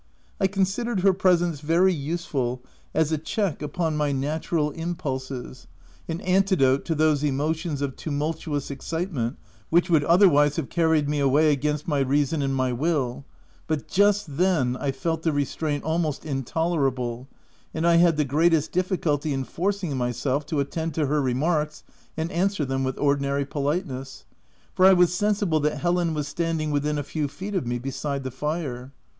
I considered her presence very useful as a check upon my 318 THE TENANT natural impulses — an antidote to those emotions of tumultuous excitement which would other wise have carried me away against my reason and my will, but just then I felt the restraint almost intolerable, and I had the greatest diffi culty in forcing myself to attend to her remarks and answer them with ordinary politeness ; for I was sensible that Helen was standing within a few feet of me beside the fire.